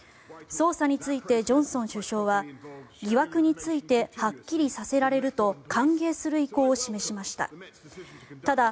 捜査についてジョンソン首相は疑惑についてはっきりさせられると歓迎する意向を示しました。